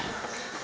terima kasih bu ya